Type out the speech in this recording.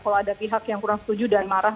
kalau ada pihak yang kurang setuju dan marah